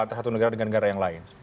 antara satu negara dengan negara yang lain